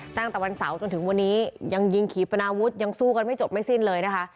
ตั้งแต่วันเสาร์จนถึงวันนี้ยังยิงขี่ปนาวุฒิยังสู้กันไม่จบไม่สิ้นเลยนะคะ